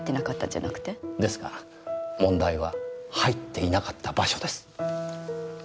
ですが問題は入っていなかった場所です。